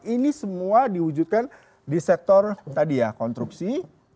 ini semua diwujudkan di sektor tadi ya konstruksi